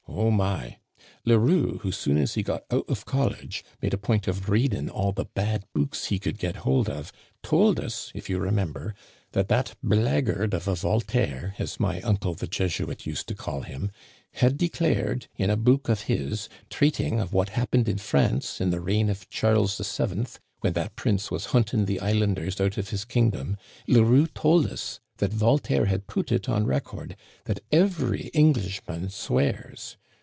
Oh, my ! Le Roux who, soon as he got out of college, made a point of reading all the bad books he could get hold of, told us, if you remember, that that blackguard of a Voltaire, as my uncle the Jesuit used to call him, had declared in a book of his, treating of what happened in France in the reign of Charles VII, when that prince was hunting the islanders out of his kingdom — Le Roux told us that Voltaire had put it on record that * every Englishman swears.'